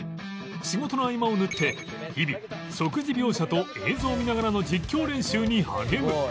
仕事の合間を縫って日々即時描写と映像を見ながらの実況練習に励む